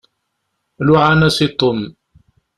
Luɛan-as i Tom.